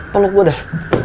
peluk gue dah